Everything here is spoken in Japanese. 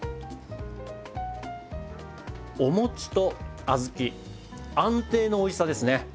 お餅と小豆安定のおいしさですね。